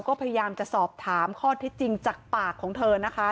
ก็พยายามจะสอบถามข้อเท็จจริงจากปากของเธอนะคะ